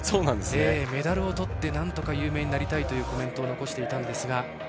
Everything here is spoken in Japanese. メダルをとってなんとか有名になりたいとコメントを残していたんですが。